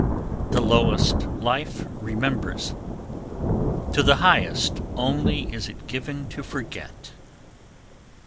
The lowest life remembers; to the highest only is it given to forget.